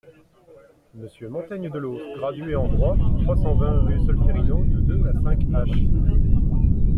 Monsieur Montaigne-Delos, gradué en droit, trois cent vingt, rue Solférino, de deux à cinq h.